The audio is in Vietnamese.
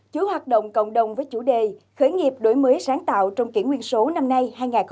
chú hoạt động cộng đồng với chủ đề khởi nghiệp đổi mới sáng tạo trong kiển nguyên số năm nay hai nghìn một mươi tám